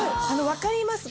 分かります？